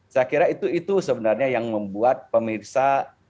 saya kira itu sebenarnya yang membuat pemirsa